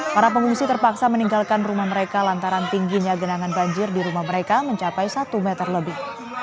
para pengungsi terpaksa meninggalkan rumah mereka lantaran tingginya genangan banjir di rumah mereka mencapai satu meter lebih